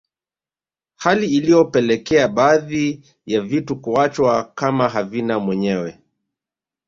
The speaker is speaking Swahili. Hali iliyopelekea baadhi ya vitu kuachwa kama havina mwenyewe